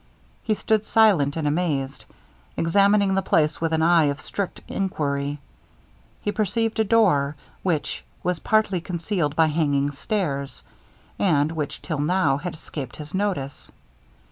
He stood silent and amazed; examining the place with an eye of strict enquiry, he perceived a door, which was partly concealed by hanging stairs, and which till now had escaped his notice.